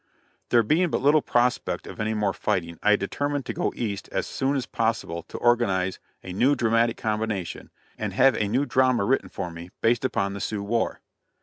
There being but little prospect of any more fighting, I determined to go East as soon as possible to organize a new "Dramatic Combination," and have a new drama written for me, based upon the Sioux war.